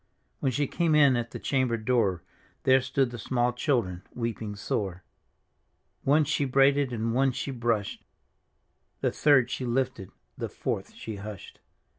When she came in at the chamber door. There stood the small children weeping sore. One she braided and one she brushed. The third she lifted, the fourth she hushed.